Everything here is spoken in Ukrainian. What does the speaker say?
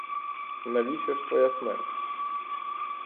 Навіщо ж твоя смерть?